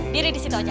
diri di situ aja